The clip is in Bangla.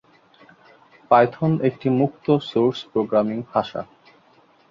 পাইথন একটি মুক্ত সোর্স প্রোগ্রামিং ভাষা।